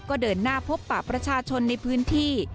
ก็เดินหน้าพบปะประชาชนในพื้นที่